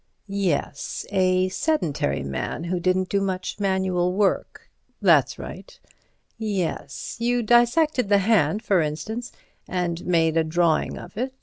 "Yes; a sedentary man who didn't do much manual work." "That's right." "Yes. You dissected the hand, for instance, and made a drawing of it.